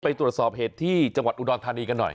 ไปตรวจสอบเหตุที่จังหวัดอุดรธานีกันหน่อย